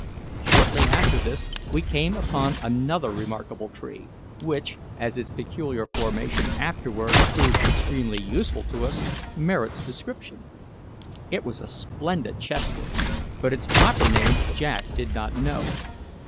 Shortly after this we came upon another remarkable tree, which, as its peculiar formation afterwards proved extremely useful to us, merits description. It was a splendid chestnut, but its proper name Jack did not know.